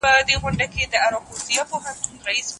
خپل جنون په کاڼو ولم